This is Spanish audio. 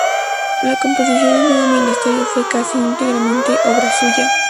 La composición del nuevo ministerio fue casi íntegramente obra suya.